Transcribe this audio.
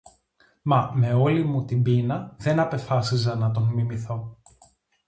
Μα με όλη μου την πείνα, δεν απεφάσιζα να τον μιμηθώ